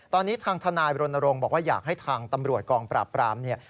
ตอนนี้ทางทนายบรณรงค์บอกว่าอยากให้ทางตำรวจกองปราบปรามเนี่ย